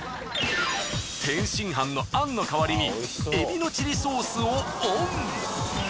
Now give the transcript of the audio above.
天津飯の餡の代わりに海老のチリソースをオン。